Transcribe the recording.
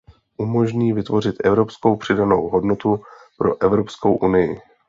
Umožní vytvořit evropskou přidanou hodnotu pro Evropskou unii.